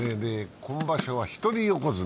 今場所は一人横綱。